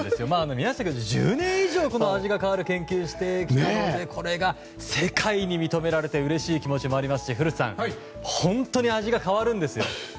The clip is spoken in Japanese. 宮下教授は１０年以上味が変わる研究をしてきたのでこれが世界に認められてうれしい気持ちもありますし古田さん本当に味が変わるんですよ。